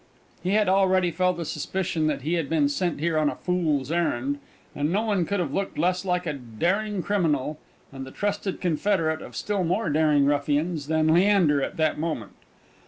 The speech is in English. He had already felt a suspicion that he had been sent here on a fool's errand, and no one could have looked less like a daring criminal, and the trusted confederate of still more daring ruffians, than did Leander at that moment.